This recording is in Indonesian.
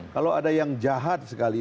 kalau ada yang jahat sekali